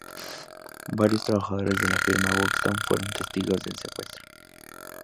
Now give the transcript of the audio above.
Varios trabajadores de la firma Buxton fueron testigos del secuestro.